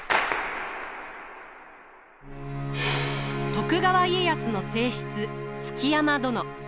徳川家康の正室築山殿。